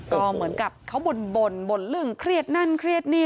ก็เหมือนกับเขาบ่นบ่นเรื่องเครียดนั่นเครียดนี่